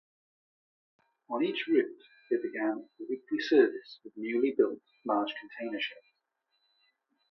On each route it began a weekly service with newly built large container ships.